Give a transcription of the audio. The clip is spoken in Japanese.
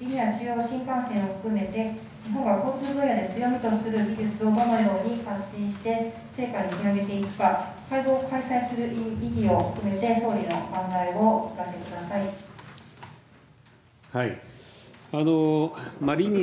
リニア中央新幹線を含めて、日本が交通分野で強みとする技術をどのように達成して世界に広めていくか、会合を開催する意味を含めて、総理のお考えをお聞かせリニア